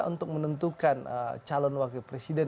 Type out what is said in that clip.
untuk menentukan calon wakil presiden